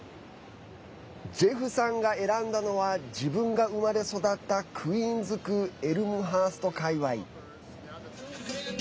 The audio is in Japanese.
ジェフさんが選んだのは自分が生まれ育ったクイーンズ区エルムハースト界わい。